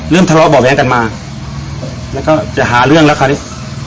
ทะเลาะเบาะแว้งกันมาแล้วก็จะหาเรื่องแล้วคราวนี้